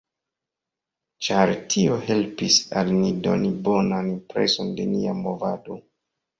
Ĉar tio helpis al ni doni bonan impreson de nia movado.